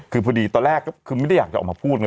คือพอดีตอนแรกก็คือไม่ได้อยากจะออกมาพูดไง